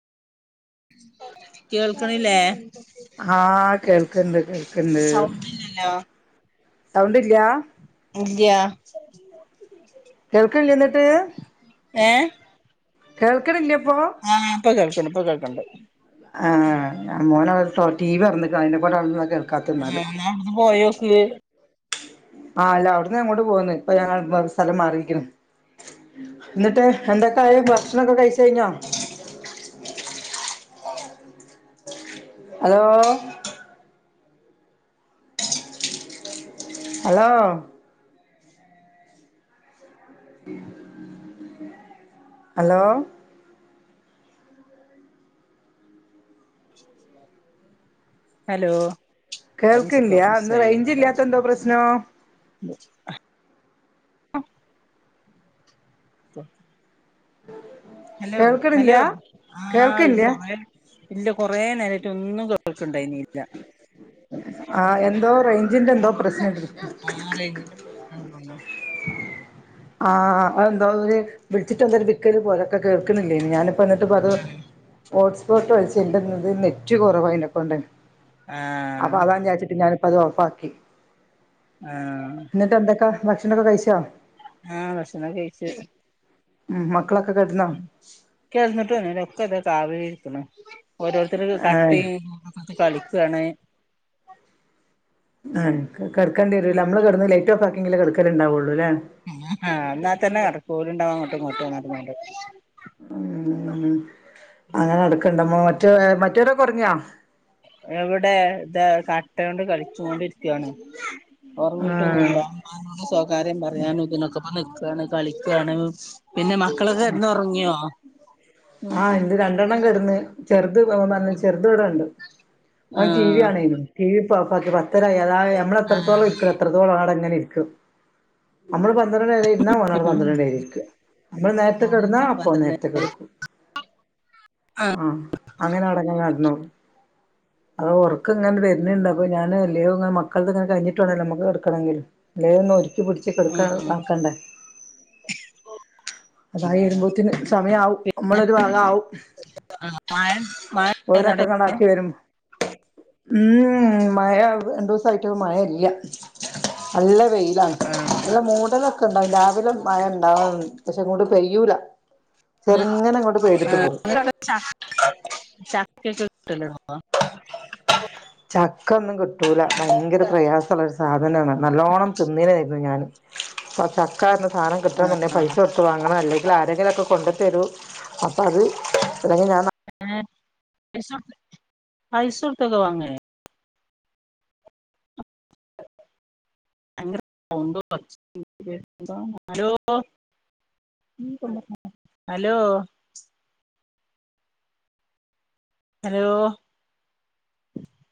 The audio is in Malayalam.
കേൾക്കണില്ലേ ആഹ് കേൾക്ക്ണ്ട് കേൾക്ക്ണ്ട് സൗണ്ടില്ലല്ലോ സൗണ്ടില്ലാ ഇല്യ കേൾക്കണില്ലേ ന്നട്ട് ഏഹ് കേൾക്കണില്ലേ ഇപ്പോ ആഹ് ഇപ്പൊ കേൾക്ക്ണ്ട് ഇപ്പൊ കേൾക്ക്ണ്ട് ആഹ് മോന് അവിടെ തൊ ടി വി തൊറന്നിക്കണ്‌ അതിനെ കൊണ്ട് [unintelligible] കാത്ത്ന്നാല് എന്നാ അവിടുന്ന് പോയോക്ക് ആഹ് അല്ല അവിടന്ന് അങ്ങോട്ട് പോന്ന് ഇപ്പൊ ഞങ്ങൾ സ്ഥലം മാറിയിരിക്കണ്‌ ന്നട്ട് എന്തൊക്കെ ആയി ഭക്ഷണൊക്കെ കഴിച്ച് കഴിഞ്ഞോ ഹലോ ഹലോ [inaudible] ഹലോ ഹലോ അത് കേൾക്കില്ല മിസ്കോ എന്തോ മിസ്സായി റേഞ്ച് ഇല്ലാത്ത എന്തോ പ്രശ്നോ ആഹ് ആഹ് ഹലോ ഹലോ കേൾക്ക്ണില്ല്യാ ആഹ് കേൾക്കില്ല്യാ കൊറെ ഇല്ല കൊറെ നേരായിട്ട് ഒന്നും കേൾക്കണുണ്ടാരുന്നില്ല ആഹ് എന്തോ റേഞ്ചിന്റെ എന്തോ പ്രശ്നണ്ട് ആഹ് റേഞ്ചിന്റ് പ്രശ്നം ഉണ്ടെന്നു തോന്നുന്നു ആഹ് എന്തോ ഒരു വിളിച്ചിട്ട് എന്തോ ഒരു വിക്കല് പോലൊക്കെ കേൾക്കുന്നില്ലേ ഞാന അഹ് എന്നിട്ട് പറഞ്ഞു ഹോട്ട്സ്പോട്ട് വച്ചേക്കുന്നത് നെറ്റ് കൊറവായതിനെക്കൊണ്ട് അപ്പൊ ആഹ് അതാന്ന് വിചാരിച്ചിട്ട് ഞാനിപ്പം അത് ഓഫ് ആക്കി ആഹ് ന്നട്ട് എന്തൊക്കാ ഭക്ഷണൊക്കെ കഴിച്ചോ ആഹ് ഭക്ഷണൊകെ കഴിച്ച് മ്മ് മക്കളൊക്കെ കെടന്നോ കെടന്നിട്ടൊന്നുല്ല ഒക്ക താ കാവലിരിക്ക്ണ് ഓരോരുത്തര് ഏഹ് കട്ടിം അത് കളിക്കാണ് കെടക്കേണ്ടി വരൂല്ല നമ്മള് കെടന്ന് ലൈറ്റ് ഓഫ്‌ ആക്കിങ്കില് കെടക്കല് ഇണ്ടാവൊള്ളൂ ല്ലേ ആഹ് എന്നാൽ തന്നെ കെടക്കാൻ കൂടുണ്ടവാ അങ്ങോട്ടും ഇങ്ങോട്ട് വന്ന ഉമ്മ് അങ്ങനെ കിടക്കുണ്ട് മറ്റേ മറ്റവരൊക്കെ ഒറങ്ങിയാ എവിടെ ഇതാ കട്ട കൊണ്ട് കളിച്ചുോണ്ടിരിക്കാണ് ഒറങ്ങിട്ടൊന്നും ആഹ് ഇല്ല ഉമ്മാനോട് സ്വകാര്യം പറയാനും ഇതിനൊക്കെ നിക്ക ഇവിടെ കളിക്കാണ് പിന്നെ മക്കളൊക്കെ കെടന്ന് ഒറങ്ങിയോ എന്റെ രണ്ടെണ്ണം കെടന്ന് ചെറുത് ചെറുത് ഇവിടെ ഇണ്ട് അവൻ ടി വി ആഹ് കാണേന്നു ടീവി ഇപ്പ ഓഫ്‌ ആക്കി പത്തരായി അതാ നമ്മള് എത്രത്തോളം ഇരിക്കുവോ അത്രത്തോളം ആടെ അങ്ങനെ ഇരിക്കും നമ്മള് പന്ത്രണ്ട് മണി വരെ ഇരുന്നാ ഓൻ അവിടെ പന്ത്രണ്ട് ഇരിക്കും നമ്മള് നേരത്തെ കിടന്നാ അപ്പൊ ഓൻ പന്ത്രണ്ട് നേരത്തെ കിടക്കും ആഹ് അങ്ങനെ അടങ്ങ നടന്നോളൂ അത് ഉറക്കം ഇങ്ങനെ വരുന്നേ ഉണ്ടാവു അപ്പൊ ആഹ് ഞാൻ എല്ലയോ ഇങ്ങനെ മക്കളുടെ ഇതെല്ലാം കഴിഞ്ഞിട്ടു വേണെലോ നമുക്ക് കിടക്കണെങ്കിൽ ഇതെല്ലാം ഒന്ന് ഒരുക്കി പിടിച്ച് ആക്കണ്ടേ ഓഹ് അതായി വരുമ്പോതേനെ സമയാവും നമ്മളൊരു ഭാഗാവും ഓരൊക്കെ കണാക്കി വരും മ്മ് മഴ രണ്ട് ദിവസായിട്ട് മഴ ഇല്ല നല്ല വെയിൽ ഇവിടെ മൂടലൊക്കെ ഉണ്ടാവും രാവിലെ മഴ ഉണ്ടാവും പക്ഷെ അങ്ങോട്ട് പെയൂല ചെറുങ്ങനെ അങ്ങോട്ട് പെയ്തിട്ട് പോവും ചക്ക ചക്ക ഒക്കെ കിട്ടലുണ്ടോ ചക്ക ഒന്നും കിട്ടൂല ഭയങ്കര പ്രയാസവ സാധനാണ് നല്ലോണം തിന്നാലനയാരുന്നു ഞാനും ചക്ക സാധനം കിട്ടണം എന്നുണ്ടെങ്കിൽ തന്നെ പൈസ കൊടുത്ത് വാങ്ങണം അല്ലെങ്കിൽ ആരെങ്കിലൊക്കെ കൊണ്ട് തരും അപ്പോ അതെ അല്ലെങ്കിൽ ഞാൻ ഏഹ് പൈസ കൊടുത്തൊക്കെ വാങ്ങുവോ [unintelligible] ഹലോ ഹലോ ഹലോ